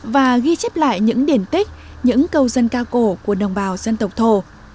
và ghi chép lại những điển tích những câu dân ca cổ của đồng bào dân tộc thổ